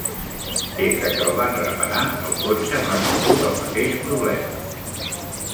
Des de que el van reparar, el cotxe no ha tingut el mateix problema.